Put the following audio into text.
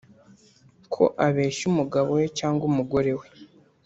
ko abeshya umugabo we cyangwa umugore we